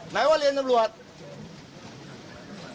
ไหนว่าเรียนตำรวจ